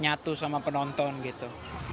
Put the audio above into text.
nyatu sama penonton gitu